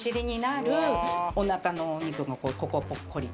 お腹のお肉もここぽっこり。